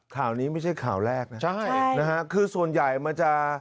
ข่าวนี้ไม่ใช่ข่าวแรกนะใช่นะฮะคือส่วนใหญ่มันจะ